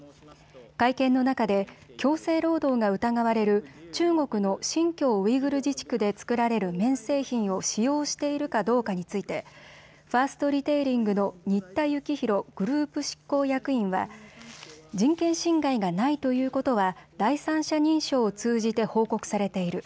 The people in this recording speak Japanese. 会見の中で強制労働が疑われる中国の新疆ウイグル自治区で作られる綿製品を使用しているかどうかについて、ファーストリテイリングの新田幸弘グループ執行役員は人権侵害がないということは第三者認証を通じて報告されている。